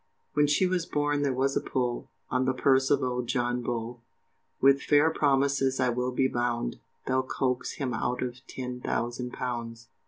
When she was born there was a pull, On the purse of old John Bull, With fair promises, I will be bound, They'll coax him out of ten thousand pounds.